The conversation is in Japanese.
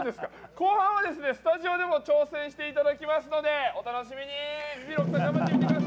後半はスタジオでも挑戦していただきますのでお楽しみに。